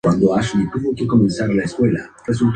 Desovan en los ríos y esconden sus huevos en el sedimento.